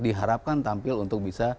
diharapkan tampil untuk bisa